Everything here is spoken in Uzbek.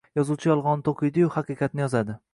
Yozuvchi yolg`onni to`qiydi-yu, haqiqatni yozadi